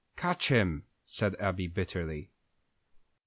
"Catch him!" said Abby, bitterly.